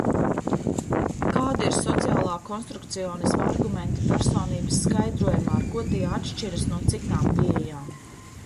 Kādi ir sociālā konstrukcionisma argumenti personības skaidrojumā, ar ko tie atšķiras no citām pieejām?